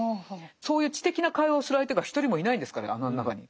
そういう知的な会話をする相手が一人もいないんですから穴の中に。